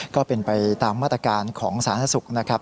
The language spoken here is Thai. ก็เป็นไปตามมาตรการของสาธารณสุขนะครับ